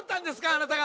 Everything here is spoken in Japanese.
あなた方。